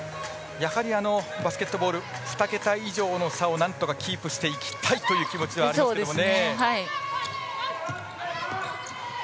やはりバスケットボール２桁以上の差を何とかキープしていきたいという気持ちではありますけどね。